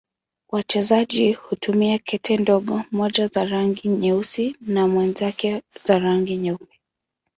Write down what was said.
Wachezaji hutumia kete ndogo, mmoja za rangi nyeusi na mwenzake za rangi nyeupe.